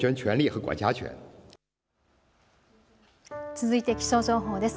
続いて気象情報です。